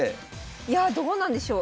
いやあどうなんでしょう？